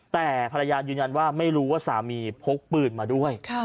แต่ภรรยายืนยันว่าไม่รู้ว่าสามีพกปืนมาด้วย